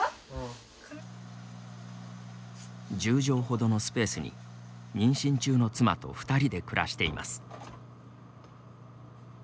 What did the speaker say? １０畳ほどのスペースに妊娠中の妻と２人で暮らしています。